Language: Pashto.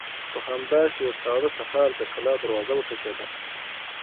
په همداسې يوه ساړه سهار د کلا دروازه وټکېده.